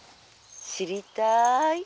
「知りたい？」。